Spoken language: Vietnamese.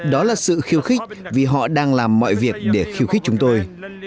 đó là sự khiêu khích vì họ đang làm mọi việc để khiêu khích chúng tôi